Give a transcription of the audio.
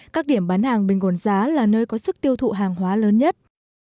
các điểm bán hàng bình ổn giá là nơi có sức tiêu thụ hàng hóa lớn nhất